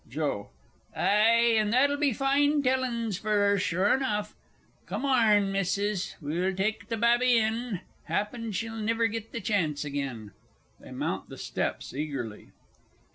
JOE. Ay, that'll be fine tellin's fur 'er, sure 'nough. Come arn, Missus, we'll tek th' babby in happen she'll niver git th' chance again. [_They mount the steps eagerly.